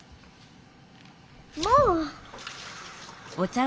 もう！